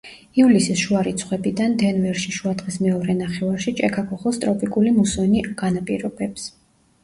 ივლისის შუა რიცხვებიდან დენვერში შუადღის მეორე ნახევარში ჭექა-ქუხილს ტროპიკული მუსონი განაპირობეს.